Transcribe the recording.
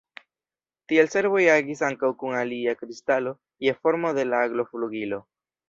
Tiel serboj agis ankaŭ kun alia kristalo, je formo de la agloflugilo.